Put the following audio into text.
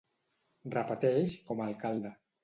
Repeteix com a alcalde.